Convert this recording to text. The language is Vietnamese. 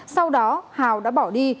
sau đó hào đã bỏ đi